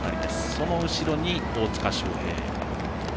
その後ろに、大塚祥平。